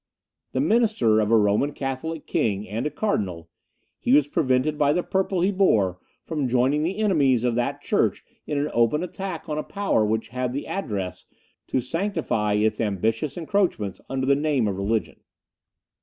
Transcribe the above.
The minister of a Roman Catholic king, and a Cardinal, he was prevented by the purple he bore from joining the enemies of that church in an open attack on a power which had the address to sanctify its ambitious encroachments under the name of religion.